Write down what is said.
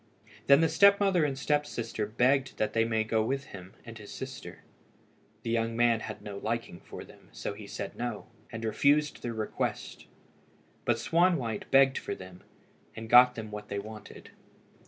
Then the step mother and step sister begged that they might go with him and his sister. The young man had no liking for them, so he said no, and refused their request, but Swanwhite begged for them, and got them what they wanted.